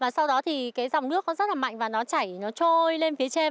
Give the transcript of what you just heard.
sau đó thì cái dòng nước nó rất là mạnh và nó chảy nó trôi lên phía trên